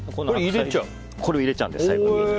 これを入れちゃうんです。